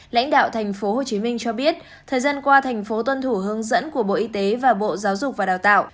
lãnh đạo tp hcm cho biết thời gian qua thành phố tuân thủ hướng dẫn của bộ y tế và bộ giáo dục và đào tạo